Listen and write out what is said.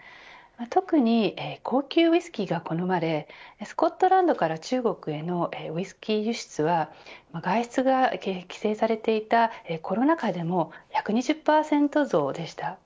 特に高級ウイスキーが好まれスコットランドから中国へのウイスキー輸出は外出が規制されていたコロナ禍でも１２０％増でした。